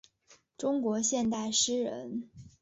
中国现代诗人。